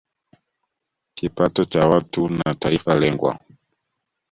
kipato cha watu na taifa lengwa